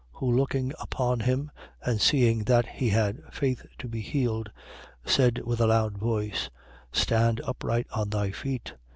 Who looking upon him and seeing that he had faith to be healed, 14:9. Said with a loud voice: Stand upright on thy feet.